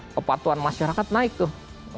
kepatuhan masyarakat naik tuh